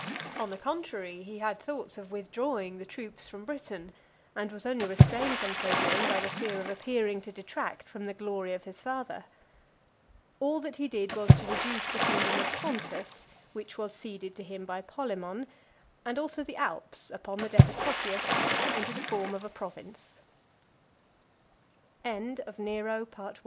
On the contrary, he had thoughts of withdrawing the troops from Britain, and was only restrained from so doing by the fear of appearing to detract from the glory of his father . All (349) that he did was to reduce the kingdom of Pontus, which was ceded to him by Polemon, and also the Alps , upon the death of Cot